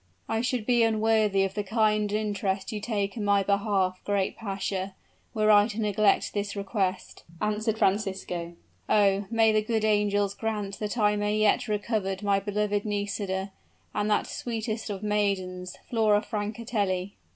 "I should be unworthy of the kind interest you take in my behalf, great pasha, were I to neglect this request," answered Francisco. "Oh! may the good angels grant that I may yet recover my beloved sister Nisida, and that sweetest of maidens Flora Francatelli!"